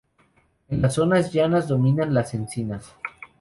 En las zonas llanas dominan las encinas.